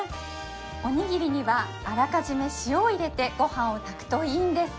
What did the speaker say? おにぎりにはあらかじめ塩を入れてごはんを炊くといいんです